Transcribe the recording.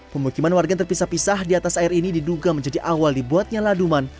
pemukiman warga yang terpisah pisah di atas air ini diduga menjadi awal dibuatnya laduman